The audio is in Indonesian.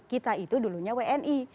kita itu dulunya wni